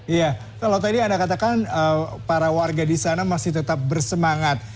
iya kalau tadi anda katakan para warga di sana masih tetap bersemangat